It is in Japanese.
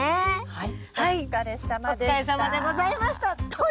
はい。